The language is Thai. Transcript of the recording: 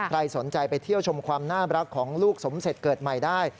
ใครสนใจไปเที่ยวชมความน่ารักของลูกสมเสร็จเกิดใหม่ได้